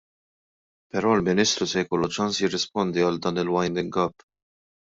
Però l-Ministru se jkollu ċans jirrispondi għal dan fil-winding up.